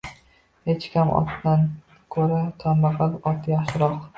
Hech kam otdan ko'ra, kambag'al ot yaxshiroq